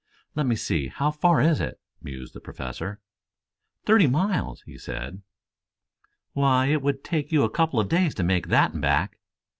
"Let me see, how far is it?" mused the Professor. "Thirty miles, he said." "Why, it would take you couple of days to make that and back."